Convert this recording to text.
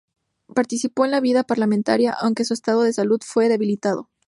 Participó en la vida parlamentaria aunque su estado de salud se fue debilitando.